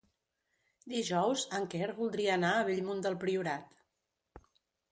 Dijous en Quer voldria anar a Bellmunt del Priorat.